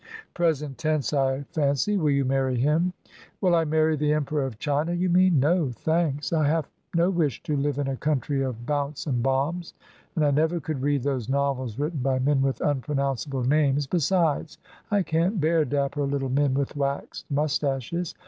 "Present tense, I fancy. Will you marry him?" "Will I marry the Emperor of China, you mean. No, thanks; I have no wish to live in a country of bounce and bombs. And I never could read those novels written by men with unpronounceable names. Besides, I can't bear dapper little men with waxed moustaches.